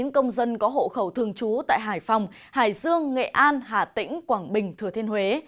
chín công dân có hộ khẩu thường trú tại hải phòng hải dương nghệ an hà tĩnh quảng bình thừa thiên huế